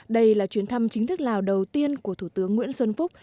đây là chuyến thăm chính thức lào đầu tiên của thủ tướng nguyễn xuân phúc